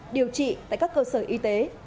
điều trị tại các cơ sở y tế